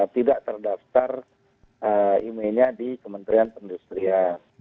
tidak terdaftar emailnya di kementerian perindustrian